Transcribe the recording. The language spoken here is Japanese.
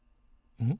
うん？